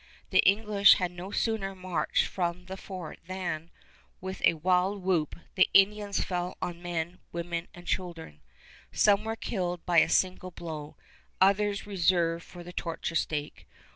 The English had no sooner marched from the fort than, with a wild whoop, the Indians fell on men, women, and children. Some were killed by a single blow, others reserved for the torture stake.